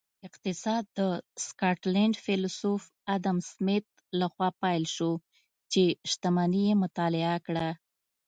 اقتصاد د سکاټلینډ فیلسوف ادم سمیت لخوا پیل شو چې شتمني یې مطالعه کړه